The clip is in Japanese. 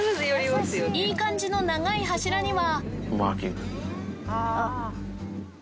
いい感じの長い柱には。